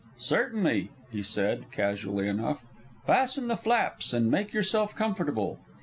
"Certainly," he said, casually enough. "Fasten the flaps and make yourself comfortable."